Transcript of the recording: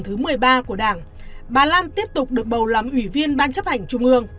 thứ ba là ông lê duy thành